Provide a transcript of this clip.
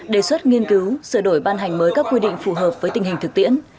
đề xuất nghiên cứu sửa đổi ban hành mới các quy định phù hợp với tình hình thực tiễn